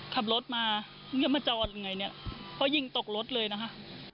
ขับรถมายังมาจอดอย่างเงี้ยเพราะยิงตกรถเลยนะคะ